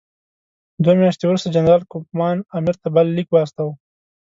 دوه میاشتې وروسته جنرال کوفمان امیر ته بل لیک واستاوه.